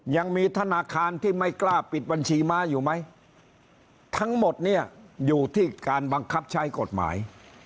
ยังมีธนาคารที่ไม่กล้าปิดบัญชีม้าอยู่ไหมทั้งหมดเนี่ยอยู่ที่การบังคับใช้กฎหมาย